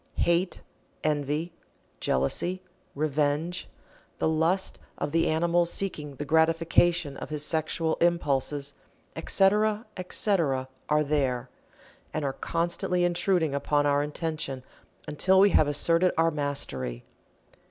Hate, envy, jealousy, revenge, the lust of the animal seeking the gratification of his sexual impulses, etc., etc., are there, and are constantly intruding upon our attention until we have asserted our mastery.